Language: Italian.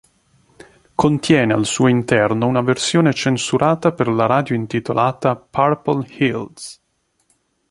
Contiene al suo interno una versione censurata per la radio intitolata Purple Hills.